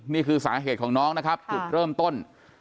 นี่คือสาเหตุของน้องนะครับจุดเริ่มต้น